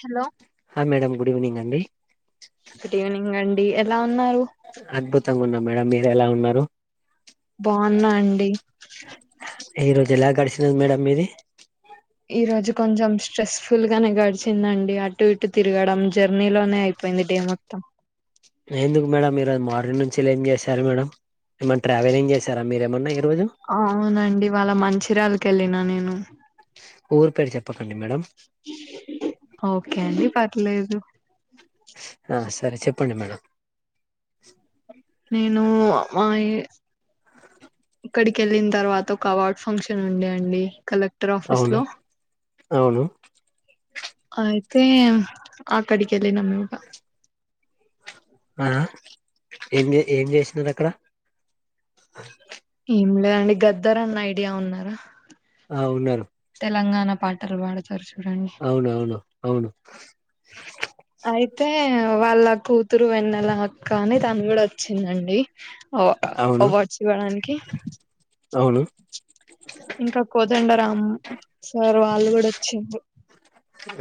hello హా madam good evening అండి good evening అండి డి ఎలా ఉన్నారు బాగున్నాం మేడమ్ మీరు ఎలా ఉన్నారు బాన్నా అండీ ఈ రోజు ఎలా గడిసినది మేడమ్ మీది ఈ రోజు కొంచెం స్ట్రెస్ఫుల్ గానే గడిచిందండి అటు ఇటు తిరగడం జర్నీ లోనే అయిపో యింది డే మొత్తం ఎందుకు మేడం మీరు మార్నింగ్ నుంచి ఏం చేశారు మేడం ఏమైన్న ట్రావెలింగ్ చేసారా మీరు ఏమన్నా ఎమ్ అవునండి ఇవాళ మంచిర్యాల కి ఎళ్ళిన నేను ఊరు పేరు చెప్పకండి మేడం ఓకే అండి పర్లేదు ఆ సరే చెప్పండి మేడం నేను మాయే ఇక్కడికి ఏళ్ళిన తర్వాత ఒక అవార్డ్ ఫంక్షన్ ఉండే అండి కల అవునా అవును అయితే ఆ అక్కడికి ఎల్లినామ్ ఇగ ఆ ఏం ఏ ఏం చేసినారు అక్కడ ఏం లేదండి గద్దర అన్న ఐడియా ఉన్నారా ఆ ఉన్నారు తెలంగాణ పాటలు పాడుతారు చూడు అవునవును అవును అయితే వాళ్ళ కూతురు వెన్నల అక్క అని తను కూడ వచ్చిందండి ఓ అవును అవార్డ్స్ ఇవ్వడానికి అవును ఇంక కోదండరామ్ సార్ వాళ్ళు కూడా వచ్చిండ్రు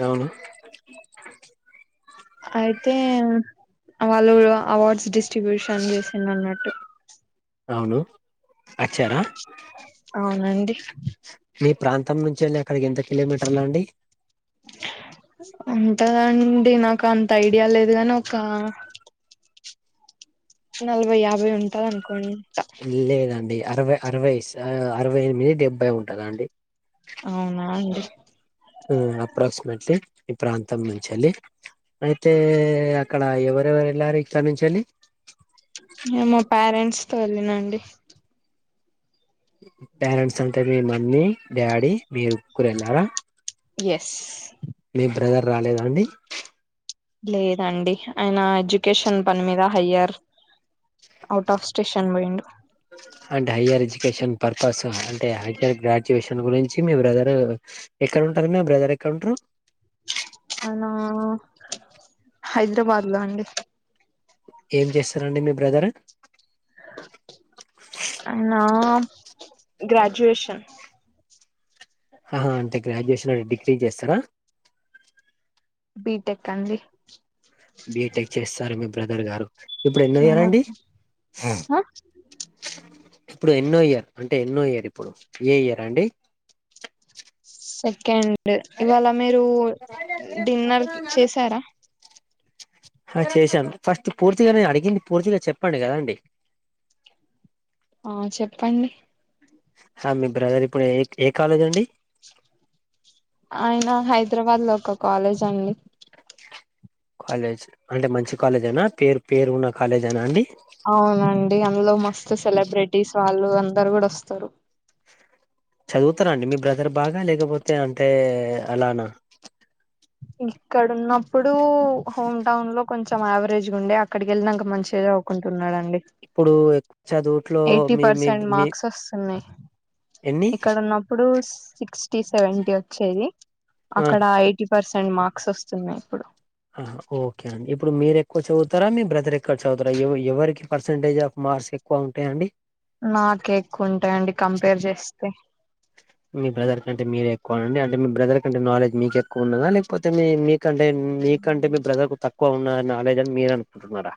అవును అయితే ఉ అ వాళ్ళు గుడ అవార్డ్స్ డిస్ట్రిబ్యూషన్ జేసిన్డ్ర్ అన్నట్టు రాములు అచ్చారా అవునండి మీ ప్రాంతం నుంచి అండి అక్కడికి ఎంత కిలోమీటర్లు అండి ఉంటదండి నాకు అంత ఐడియా లేదు గాని ఒకా నలభై యాభై ఉంటాదన్కోండ్ లేదండి అరవై అరవై ఇస్ అ అరవై మీ డెబ్బై ఉంటదా అండి అవునా అండి ఊ అప్రాక్స్మెట్లీ ఈ ప్రాంతం నుంచెల్లి అయితే అక్కడ ఎవరెవరు ఏళ్ళారు ఇక్కడ్ నుంచేల్లి నేన్ మా ప్యారెంట్స్ తో ఎళ్ళినా అండి ప్యారన్స్ అంటే మీ మమ్మీ డ్యాడీ మీ ఉక్కురెనా యస్ మీ బ్రదర్ రాలేదా అండి లేదండి ఆయన ఎజుకేషన్ పని మీద హయ్యర్ ఔట్ ఆఫ్ స్టేషన్ బొయిండు అంటే హయ్యర్ ఎజుకేషన్ పర్పస్ అంటే హయ్యర్ గ్రాజువెషన్ గురించి మీ బ్రదరూ ఎక్కడ ఉంటాది మీ బ్రదర్ ఎక్కడ్ ఉంట్రు [unintelligible] నో హైదరాబాద్ లో అండి ఏం చేస్తారండి మీ బ్రదర్ అయన్న గ్రాజ్యూయేషన్ హ హా అంటే గ్రాడ్యుయేషన్ అంటే డిగ్రీ జేస్తరా బీటెక్ అండి బీటెక్ చేస్తారు మీ బ్రదర్ గారు ఇప్పుడు ఎన్నో ఇయర్ అండి ఇప్పుడు ఎన్నో ఇయర్ అంటే ఎన్నో ఇయర్ ఇప్పుడు ఏ ఇయర్ అండి సెకెండ్ ఇవాళ మీరు డిన్నర్ చేసారా హా చేశాను ఫస్ట్ పూర్తిగా నే అడిగింది పూర్తిగా చెప్పండి గదా అండి ఆ చెప్పండి హా మీ బ్రదర్ ఇప్పుడు ఏక్ ఏ కాలేజ్ అండి ఆయన హైదరాబాద్ లో ఒక కాలేజ్ అండి కాలేజ్ అంటే మంచి కాలేజేనా పేరు పేరు ఉన్న కాలేజేనా అండి అవునండి అందులో మస్తు సెలబ్రిటీస్ వాళ్ళు అందరు గుడ్ ఒస్తారు చదువుతరా అండి మీ బ్రదర్ బాగా లేకపోతే అంటే అలానా ఇక్కడ ఉన్నప్పుడూ హోమ్ టౌన్ లో కొంచం యావరేజ్గ్ ఉండ్య అక్కడికి ఎళ్నంక మంచిగ జదువ్ కుంటున్నాడు అండి ఇప్పుడు ఎక్కువ చదువుట్లో ఎయిటీ మీ మీ పర్సెంట్ మీ మార్క్స్ ఒస్సై ఉన్నాయి ఎన్ని ఇక్కడ ఉన్నప్పుడు సిక్స్టీ సెవెంటీ వచ్చేది ఆ అక్కడ ఎయిటీ పర్సెంట్ మార్క్స్ ఒస్తున్నాయి ఇప్పుడు హహా ఓకే అండి ఇప్పుడు మీరు ఎక్కువ చదువుతరా మీ బ్రదర్ ఎక్కడ్ చదువుతరా ఎవ్వు ఎవరికి పర్సెంటేజ్ ఆఫ్ మ మార్స్ ఎక్కువ ఉంటాయండి నాకే ఎక్కువ ఉంటాయండి కంపేర్ జేస్తే మీ బ్రదర్ కంటే మీరే ఎక్కువ అండి అంటే మీ బ్రదర్ కంటే నాలెడ్జ్ మీకే ఎక్కువ ఉండదా లేక్పోతే మీ మీక్ కంటే మీకంటే మీ బ్రదర్ కు తక్కువ ఉన్న నాలేజ్ అన్ మీరు అనుకుంటున్నారా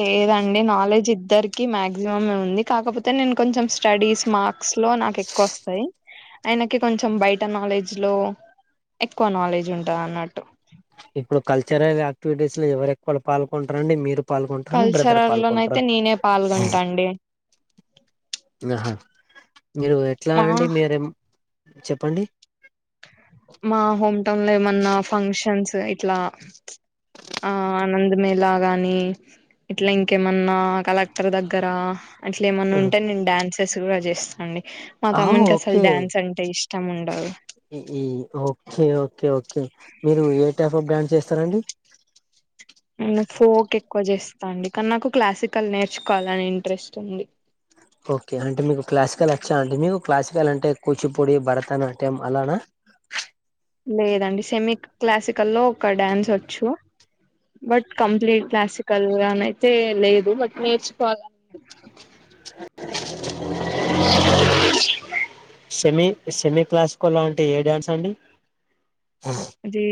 లేదండి నాలెడ్జ్ ఇద్దరికి మ్యాజిమమే ఉంది కాకపోతే నేను కొంచెం స్టడీస్ మార్క్స్ లో నా ఎక్కువ వస్తాయి ఆయనకి కొంచం బయట నాలెడ్జ్ లో ఎక్కువ నాలెడ్జ్ ఉంటంది అన్నట్టు ఇప్పుడు కల్చరల్ యాక్టివిటీస్ లో ఎవరు ఎక్కువలు పాల్కొంటరండి మీరు పాల్గొంటరా మీ బ్రదర్ కల్చరల్ పాల్కొంటరా లోనయితే నేనే పాల్గొంటా అండి ఉన్ అహా మీరు ఎట్లా మా అండి మీరేం చెప్పండి ఆ ఇట్లా ఆ ఆనంద్ మేళ గాని ఇట్లా ఇంకేమన్నా కలెక్టర్ దగ్గర అట్లా ఏమన్నా ఉంటే నేను డాన్సెస్ కూడా చేస్తా అండి మా ఆ తమ్మునికి అసలు డ్యాన్స్ అంటే ఇష్టం ఉండదు ఓకే ఓకే ఓకే ఓకే మీరు ఏ టైప్ ఆఫ్ బ్రాండ్ చేస్తారండి నేను ఫోక్ ఎక్కువ చేస్తా అండి కానీ నాకు క్లాసికల్ నేర్చుకోవాలని ఇంట్రెస్ట్ ఉంది ఓకే అంటే మీకు క్లాసికల్ పిచ్చా అంటే మీకు క్లాసికల్ అంటే కూచిపూడి భరతనాట్యం అలానా లేదండి సెమీ క్లాసికల్లో ఒక డ్యాన్స్ వచ్చు బట్ కంప్లీట్ క్లాసికల్ గానియితే లేదు బట్ నేర్చుకోవాల అ సెమీ సెమి క్లాసికల్ లాంటి ఏ డ్యాన్స్ అండి అది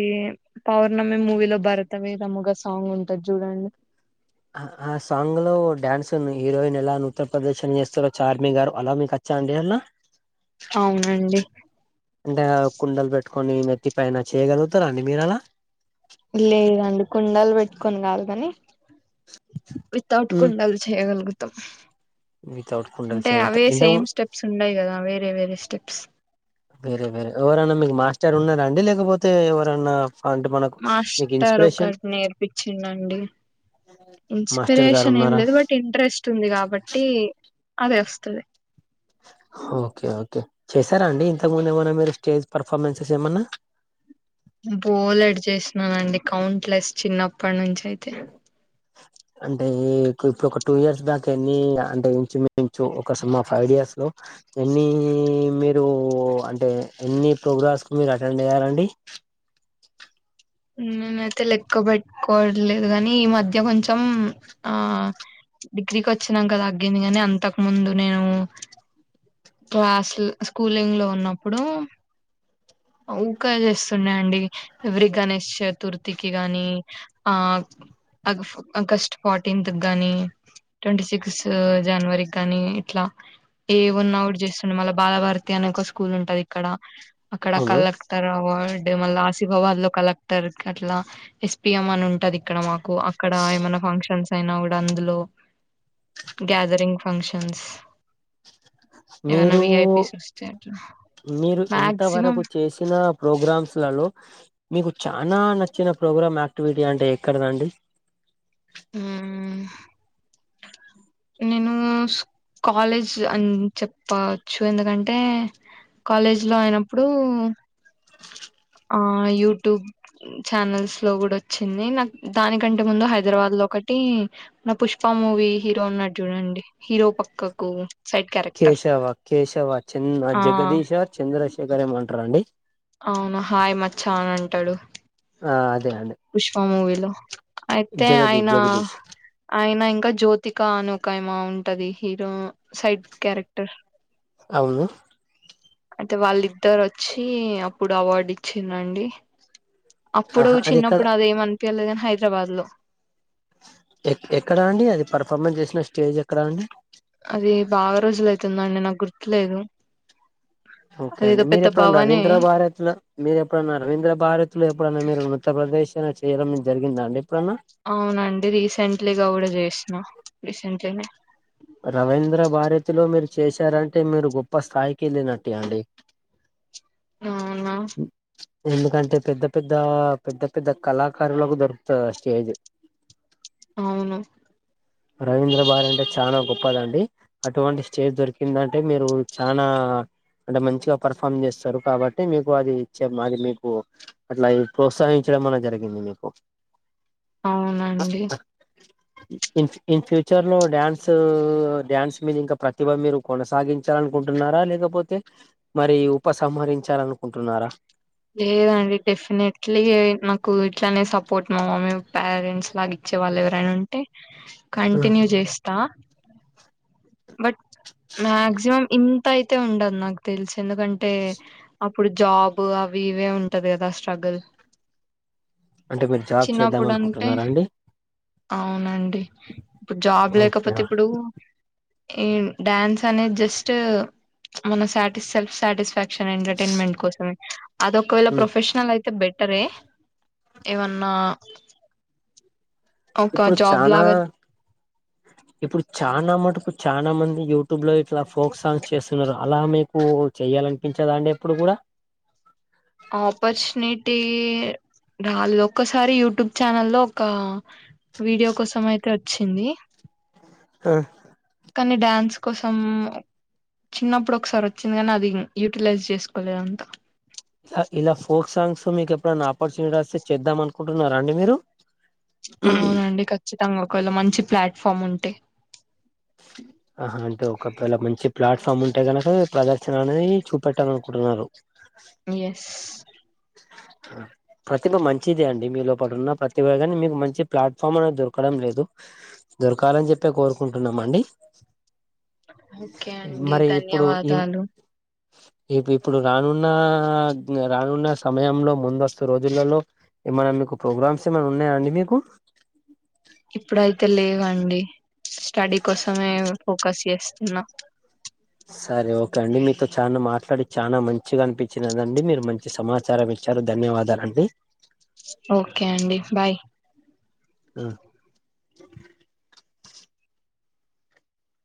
పౌర్ణమి మూవీలో భరత వేదముగా సాంగ్ ఉంటది చూడండి ఆ సాంగ్ లో ఓ డ్యాన్స్ హీరోయిన్ ఎలా అ నృత్య ప్రదర్శన చేస్తారో చార్మి గారు అలా మీకు చాండి రన్నా అవునండి అంటే కుండలు పెట్టుకొని నెత్తి పైన చేయ్యగలుగుతారా అండి మీరు అలా లేదండి కుండలు పెట్టుకొని కాదు కాని వితౌట్ కుండలు చేయగలుగుతా వితౌట్ కుండలు అంటే చేయగలుగుతారు అవే ఇంత సేమ్ స్టెప్స్ ఉండయి కదా వేరే వేరే స్టెప్స్ వేరే వేరే ఎవరన్నా మీకు మాస్టర్ ఉన్నారా అండి లేకపోతే ఎవరన్నా అంటే మనకు మీకు మాస్టర్ ఇన్స్పిరేషన్ ఒకటి నేర్పించిందండి మాస్టర్ గారు ఇన్స్పిరేషన్ ఏం ఉన్నారా లేదు బట్ ఇంట్రెస్ట్ ఉంది కాబట్టి అదే వస్తది చేసారా అండి ఇంతకు ముందు ఏమన్నా మీరు స్టేజ్ పర్ఫార్మెన్సెస్ ఏమన్నా బోలెడు చేసినానండి కౌంట్లెస్ చిన్నప్పటి నుంచి అయితే అంటే ఇప్పుడు ఒక టూ ఇయర్స్ బ్యాక్ ఎన్ని అంటే ఇంచు మించు ఒక సుమారు ఫైవ్ ఇయర్స్ లో ఎన్ని మీరు అంటే ఎన్ని ప్రోగ్రామ్స్ కు మీరు అటెండ్ అయ్యారండి నేనైతే లెక్క పెట్టుకోవట్లేదు గాని ఈ మధ్య కొంచెం ఆ డిగ్రీకి వచ్చినాంకా తగ్గింది కాని అంతకు ముందు నేను క్లాస్ స్కూలింగ్ లో ఉన్నప్పుడు ఇంకా చేస్తున్నా అండి ఎవరి గణేష్ చతుర్థికి గాని ఆ ఆగ్ ఆగస్టు ఫోర్టీన్త్ కి గానీ ట్వంటీ సిక్స్త్ జనవరి కానీ ఇట్లా ఏ ఉన్నా ఒకటి చేస్తుండే మళ్ళ బాలభారతి అనే ఒక స్కూల్ ఉంటది ఇక్కడ అక్కడ అవును కలక్టర్ అవార్డ్ మళ్ళ ఆసిఫాబాద్ లో కలక్ క్టర్ అట్లా ఎస్పిఎం అని ఉంటది ఇక్కడ మాకు అక్కడ ఏమన్నా ఫంక్షన్స్ అయినా కూడా అందులో గ్యాదరింగ్ ఫంక్షన్స్ ఏవనా మీరు విఐపిస్ వస్తే అట్లా మీరు మాక్సిమం ఇంతవరకు చేసిన ప్రోగ్రామ్స్లలో మీకు చానా నచ్చిన ప్రోగ్రామ్ యాక్టివిటీ అంటే ఎక్కడదండి ఉమ్ నేను కాలేజ్ అని చెప్పచ్చు ఎందుకంటే కాలేజీ లో అయినప్పుడు ఆ యూట్యూబ్ ఛానల్స్ లో కూడా వచ్చింది నా దానికంటే ముందు హైదరాబాద్ లో ఒకటి నా పుష్ప మూవీ హీరో ఉన్నాడు చూడండి హీరో పక్కకు సైడ్ క్యారెక్టర్ కేశవ కేశవ చ ఆ జగదీశ చంద్రశేఖర్ ఏమో అంటారండి అవును హాయ్ మచ్చా అని అంటాడు ఆ అదే అండి పుష్పమూవీలో అయితే జగదీష్ ఆయన జగదీష్ ఆయన ఇం ఇంకా జ్యోతిక అని ఉంటది ఉంటది హీరో సైడ్ క్యారెక్టర్ అవును అయితే వాళ్ళిద్దరు వచ్చి అప్పుడు అవార్డు ఇచ్చిందండి అప్పుడు ఆహా అది చిన్నప్పు ఎక్కడ ఏ అనిపిించలేగాని హైదరాబాద్ లో ఎ ఎక్కడా అండి అది పర్ఫార్మెన్స్ చేసిన స్టేజ్ ఎక్కడా అండి అది బాగా రోజుల అైతుందా అండి నాకు గుర్తులేదు ఓకే అదేదో అండి మీరు పెద్ద ఎప్పుడన్న భవనే రవీంద్ర భారత్లు మీరు ఎప్పుడన్నా రవీంద్ర భారత్తులు ఎప్పుడన్నా మీరు ఉన్నత్తరప్రదేశ్ చేయడం జరిగిందండి అవునండి రీసెంట్లీగా కూడా చేసా రీసెంట్లీనే రవీంద్ర భార్యతిలో మీరు చేశారంటే మీరు గొప్ప స్థాయికి వెళ్ళినట్టు అండి అవునా ఎందుకంటే పెద్ద పెద్ద పెద్ద పెద్ద కళాకారులకు దొరుకుతుంది స్టేజ్ అవును రవీంద్ర భార అంటే చాలా గొప్పదండి అటువంటి స్టేజ్ దొరికిందంటే మీరు చనా అంటే మంచిగా పర్ఫార్మ్ చేస్తారు కాబట్టి మీకు అది ఇచ్చే అది మీకు అట్లా ప్రోత్సహించ మ జరిగింది మీకు అవునండి ంచి ఇన్ ఫ్యూచర్ లో డ్యాన్స్ డ్యాన్స్ మీద ఇంకా ప్రతిభ మీరు కొనసాగించాలనుకుంటున్నారా లేద కాకపోతే మరి ఉపసంహరించాల అనుకుంటున్నారా లేదండి డెఫినెట్లీ నాకు ఇట్లనే సపోర్ట్ మా మమ్మీ పేరెంట్స్ లాగా వచ్చే వాళ్ళు ఎవరైనా ఉంటే కంటిన్యూ చేస్తా బట్ మక్సిమమ్ ఇన్ అయితే ఉండదు నాకు తెలిసు ఎందుకంటే అప్పుడు జాబ్ అవి ఇవే ఉంటది కదా స్ట్రగుల్ అంటే మీరు జాబ్ చేద్దాం చిన్నప్పుడు అంటే అనుకుంటున్నారా అండి అవునండి ఇప్పుడు జాబ్ ఓకే లేకపోతే ఇప్పుడు ఈ డ్యాన్స్ అనే జస్ట్ మనటి సెల్ఫ్ సాటిస్ఫాక్ అది ఒకే ప్రొఫెషనల్ అయితే పెట్టరి ఇవన్నా ఒకకా ఇప్పుడు జాబ్ చానా లాగా ఇప్పుడు చాలనాా మటుకు చా లా మంది యూట్యూబ్ లో ఇట్లా ఫోక్ సాంగ్స్ చేస్తున్నారు అలా మీకు చెయ చేయ్యాలనిపించదా అండి ఎప్పుడు కూడా పర్చునిటీ రళ్ ఒక్కసారి యూట్యూబ్ ఛానల్ లో ఒక వీడియో కోసం అయితే వచ్చింది ఆ కానీ డ్యాన్స్ కోసం చిన్నప్పుడు ఒకసారి వచ్చింది కానీ అది యూటిలైజ్ చేసుకోలేదంతా ఇలా ఫోక్ సాంగ్స్ మీకు ఎప్పుడైనా ఆపర్చునిటీ వస్తే చేద్దాం అనుకుంటున్నారా అండి మీరు అవునండి ఖచ్చితంగా ఒకవేళ మంచి ప్లాట్ఫామ్ ఉంటే ఆహా అంటే ఒకవేళ మంచి ప్లాట్ఫామ్ ఉంటే కనుక ప్రదర్శన అనేది చూపెట్టాల అనుకుంటున్నారు ఎయస్ ఆ ప్రతిభ మంచిదే అండి మీ లోపటు ఉన్న ప్రతిభ కానీ మీకు మంచి ప్లాట్ఫామ్ అనేది దొరకడం లేదు దొరకాలని చెప్పే కోరుకుంటున్నామ అండి ఓకే అండి మరి ఇప్పుడు ఈ ధన్యవాదాలు ఇప్పుడు రానున్న సమయంలో ముందస్తు రోజులలో ఏమన్నా మీకు ప్రోగ్రామ్స్ ఏమన్నా ఉన్నాయా అండి మీకు ఇప్పుడైతే లేవండి స్టడీ కోసమే ఫోకస్ చేస్తా న్నం సరే ఓకే అండి మీతో చాలా మాట్లాడి చానా మంచిగా అనిపించిదండి మీరు మంచి సమాచారం ఇచ్చారు ధన్య వాదాలండి ఓకే అండి బాయ్ ఆ